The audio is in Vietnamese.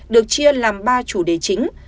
được chia làm ba chủ đề chính